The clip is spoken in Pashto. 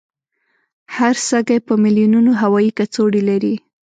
هر سږی په میلونونو هوایي کڅوړې لري.